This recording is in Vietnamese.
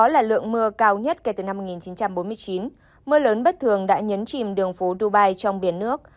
đó là lượng mưa cao nhất kể từ năm một nghìn chín trăm bốn mươi chín mưa lớn bất thường đã nhấn chìm đường phố dubai trong biển nước